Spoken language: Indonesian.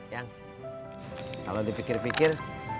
yang kalau dipikir pikir